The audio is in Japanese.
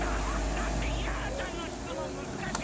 だってイララちゃんのしつもんむずかしいんだもん。